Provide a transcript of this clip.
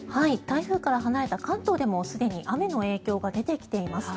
台風から離れた関東でもすでに雨の影響が出てきています。